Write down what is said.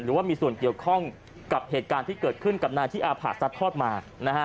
หรือว่ามีส่วนเกี่ยวข้องกับเหตุการณ์ที่เกิดขึ้นกับนายที่อาผ่าซัดทอดมา